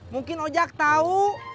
mungkin ojak tahu